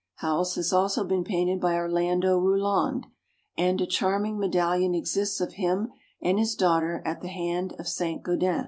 How ells has also been painted by Orlando Rouland, and a charming medallion exists of him and his daughter at the hand of Saint Gaudens.